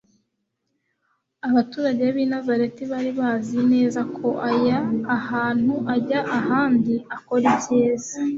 Abaturage b'i Nazareti bari bazi neza ko aya ahantu ajya ahandi akora ibyiza,